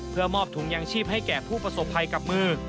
เพื่อมอบถุงยางชีพให้แก่ผู้ประสบภัยกับมือ